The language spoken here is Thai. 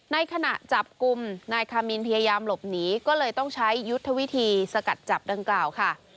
ในขณะจับกลุ่มนายคามินพยายามหลบหนีก็เลยต้องใช้ยุทธวิธีสกัดจับดังกล่าวค่ะ